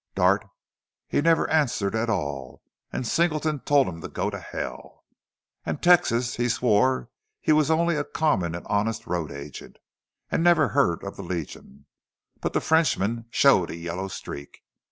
Dartt he never answered at all. An' Singleton told them to go to hell. An' Texas he swore he was only a common an' honest road agent, an' never heard of the Legion. But the Frenchman showed a yellow streak.